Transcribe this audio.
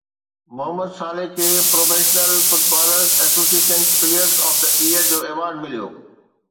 Muhammad Salah کي professional footballers association player of the year جو award مليو